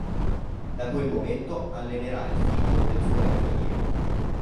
Da quel momento allenerà il figlio del suo vecchio allievo.